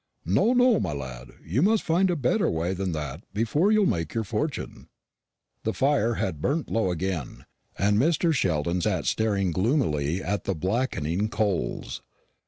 No, no, my lad, you must find a better way than that before you'll make your fortune." The fire had burnt low again, and Mr. Sheldon sat staring gloomily at the blackening coals.